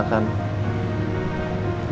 dan makamnya berantakan